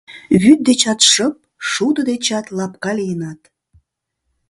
Вӱд дечат шып, шудо дечат лапка лийынат!